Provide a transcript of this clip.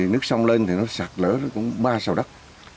nước sông lên thì nó sạt lở ba sào đất